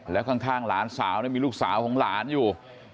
แล้วข้างหลานสาวมีลูกสาวของหลานอยู่